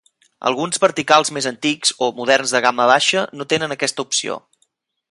Alguns verticals més antics, o moderns de gamma baixa, no tenen aquesta opció.